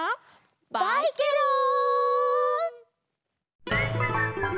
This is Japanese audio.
バイケロン！